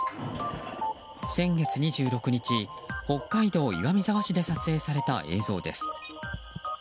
先月２６日、北海道岩見沢市で撮影された映像です。